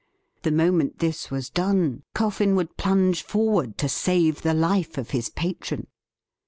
The moment this was done, Coffin would plunge forward to save the life of his patron.